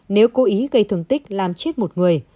nếu cố ý gây thương tích làm chết một người